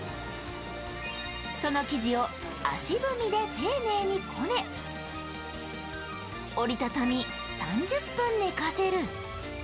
その生地を足踏みで丁寧にこね折り畳み、３０分寝かせる。